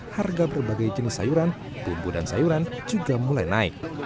harga berbagai jenis sayuran bumbu dan sayuran juga mulai naik